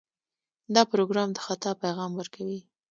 دا پروګرام د خطا پیغام ورکوي.